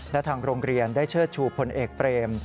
และทางโรงเรียนได้เชิดชูพลเอกเปรม